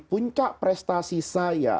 puncak prestasi saya